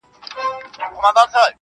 چي بيا ترې ځان را خلاصولای نسم.